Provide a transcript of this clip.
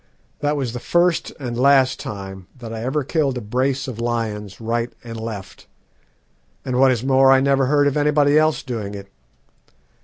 "That was the first and last time that I ever killed a brace of lions right and left, and, what is more, I never heard of anybody else doing it.